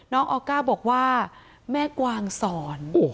ออก้าบอกว่าแม่กวางสอน